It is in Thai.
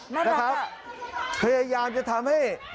นะครับพยายามจะทำให้